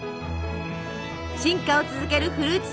進化を続けるフルーツサンド。